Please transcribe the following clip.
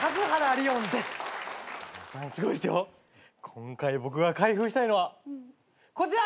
今回僕が開封したいのはこちら。